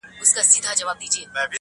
• پرېږده چي وپنځوي ژوند ته د موسی معجزې.